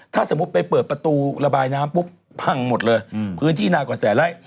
ถ้าสมมุติไปเปิดประตูระบายน้ำปุ๊บพังหมดเลยพื้นที่นากว่าแสนไร่